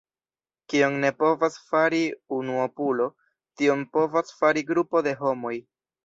Kion ne povas fari unuopulo, tion povas fari grupo de homoj.